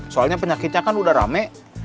soalnya penyakitnya kan udah rame